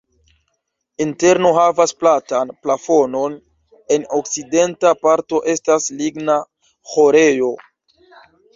Interno havas platan plafonon, en okcidenta parto estas ligna ĥorejo.